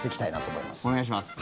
お願いします。